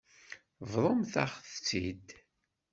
Bḍumt-aɣ-tt-id.